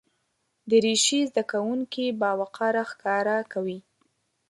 دریشي زده کوونکي باوقاره ښکاره کوي.